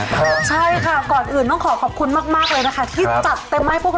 ใช่ค่ะก่อนอื่นต้องขอขอบคุณมากเลยนะคะ